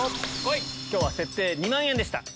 今日は設定２万円でした。